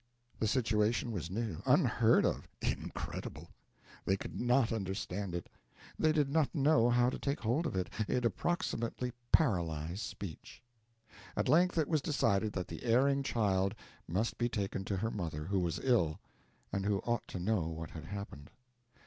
The situation was new, unheard of, incredible; they could not understand it, they did not know how to take hold of it, it approximately paralyzed speech. At length it was decided that the erring child must be taken to her mother, who was ill, and who ought to know what had happened.